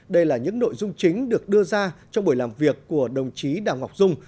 đây là những nội dung chính được đưa ra trong buổi làm việc của đồng chí đào ngọc dung